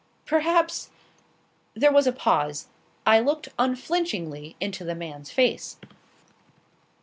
"Perhaps" There was a pause. I looked unflinchingly into the man's face.